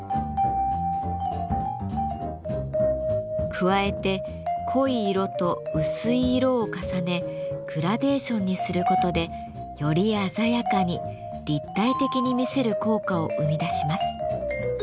加えて濃い色と薄い色を重ねグラデーションにすることでより鮮やかに立体的に見せる効果を生み出します。